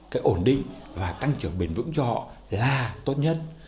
cái ổn định và tăng trưởng bền vững cho họ là tốt nhất